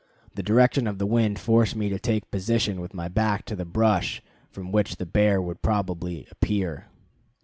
The direction of the wind forced me to take position with my back to the brush from which the bear would probably appear.